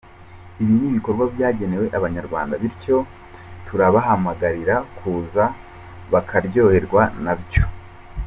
Ibi ni ibikorwa byagenewe abanyarwanda bityo turabahamagarira kuza bakaryoherwa na byo.